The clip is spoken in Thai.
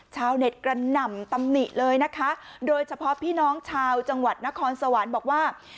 ชาวเน็ตกระหน่ำตำหนิเลยนะคะโดยเฉพาะพี่น้องชาวจังหวัดนครสวรรค์บอกว่า